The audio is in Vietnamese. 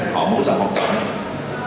họ muốn làm học tập